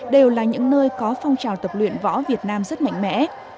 đều là những nơi có phong trào tập luyện võ việt nam rất mạnh mẽ